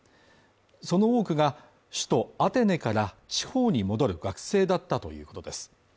その多くが首都アテネから地方に戻る学生だったということです。